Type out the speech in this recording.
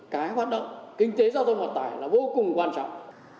cái hoạt động kinh tế giao thông vận tải là vô cùng quan trọng